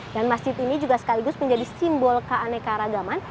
dan masjid ini juga sekaligus menjadi simbol keaneka ragaman